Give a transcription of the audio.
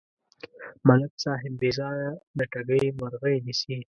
ملک صاحب بېځایه د ټګۍ مرغۍ نیسي.